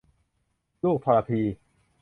ลูกทรพี